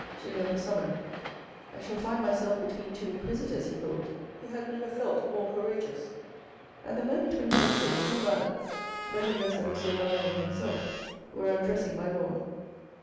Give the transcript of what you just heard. Julien was summoned. " I shall find myself between two inquisitors," he thought. He had never felt more courageous. At the moment when he entered, two valets, better dressed than M. Valenod himself, were undressing my lord.